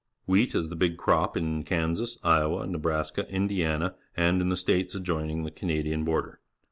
Wheat is the big crop in Kansas, Iowa, Nebraska, Indiana, and in the states adjoining the Canadian border.